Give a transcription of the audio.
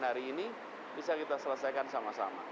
hari ini bisa kita selesaikan sama sama